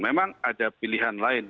memang ada pilihan lain